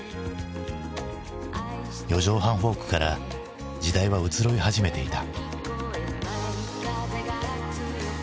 四畳半フォークから時代は移ろい始めていた。